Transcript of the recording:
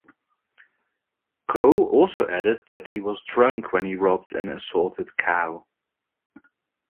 Kho also added that he was drunk when he robbed and assaulted Cao.